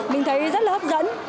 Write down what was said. mình thấy rất là hấp dẫn